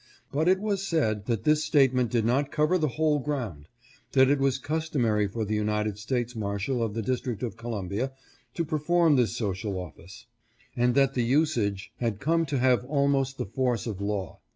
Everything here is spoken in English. But it was said, that this statement did not cover the whole ground ; that it was customary for the United States Marshal of the District of Columbia to perform this social office ; and that the usage had come to have almost the force of law.